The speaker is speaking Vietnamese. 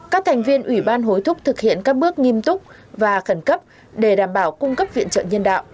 các thành viên ủy ban hối thúc thực hiện các bước nghiêm túc và khẩn cấp để đảm bảo cung cấp viện trợ nhân đạo